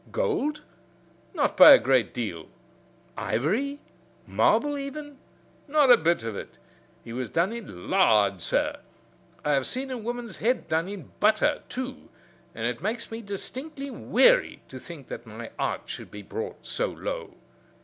Gold? Not by a great deal. Ivory? Marble, even? Not a bit of it. He was done in lard, sir. I have seen a woman's head done in butter, too, and it makes me distinctly weary to think that my art should be brought so low."